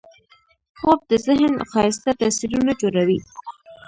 خوب د ذهن ښایسته تصویرونه جوړوي